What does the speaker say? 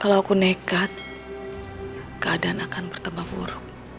kalau aku nekat keadaan akan bertambah buruk